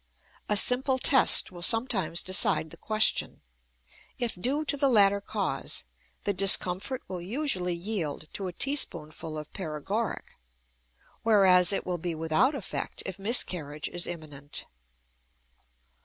A simple test will sometimes decide the question. If due to the latter cause, the discomfort will usually yield to a teaspoonful of paregoric, whereas it will be without effect if miscarriage is imminent.